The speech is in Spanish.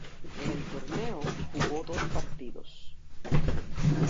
En el torneo, jugó dos partidos.